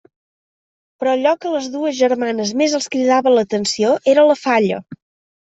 Però allò que a les dues germanes més els cridava l'atenció era la falla.